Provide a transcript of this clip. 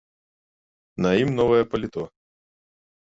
На ім новае паліто.